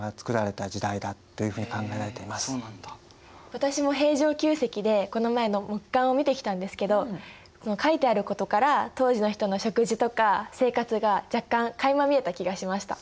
私も平城宮跡でこの前木簡を見てきたんですけどその書いてあることから当時の人の食事とか生活が若干かいま見えた気がしました。